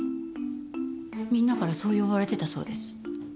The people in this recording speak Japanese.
みんなからそう呼ばれてたそうです。